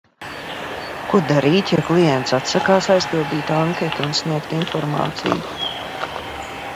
Ko darīt, ja klients atsakās aizpildīt anketu un sniegt informāciju?